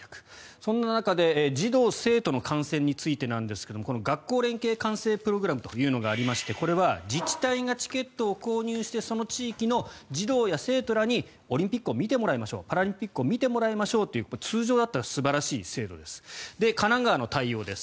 そんな中で児童・生徒の観戦についてなんですが学校連携観戦プログラムというのがありましてこれは自治体がチケットを購入してその地域の児童や生徒らにオリンピックを見てもらいましょうパラリンピックを見てもらいましょうという通常だったら素晴らしい制度です。